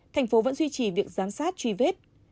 thành phố vẫn duy trì việc giám sát truy vết